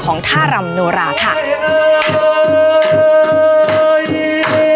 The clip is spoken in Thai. คุณผู้ชมอยู่กับดิฉันใบตองราชนุกูลที่จังหวัดสงคลาค่ะ